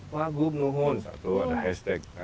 lagu penuhun satu ada hashtag